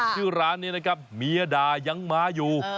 ชื่อร้านนี้นะครับเมียด่ายังมาอยู่